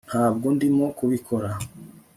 ntabwo ndimo kubikora